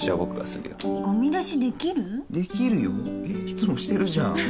いつもしてるじゃん。